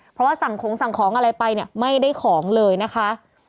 เพราะว่าสั่งของสั่งของอะไรไปเนี่ยไม่ได้ของเลยนะคะ